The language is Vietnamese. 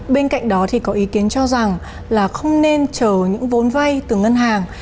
bên cạnh đó thì có ý kiến cho rằng là không nên chờ những vốn vay từ ngân hàng